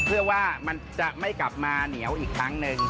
เพื่อว่ามันจะไม่กลับมาเหนียวอีกครั้งหนึ่ง